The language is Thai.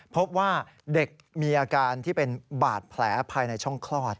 พบว่าเด็กมีอาการที่เป็นบาดแผลภายในช่องคลอด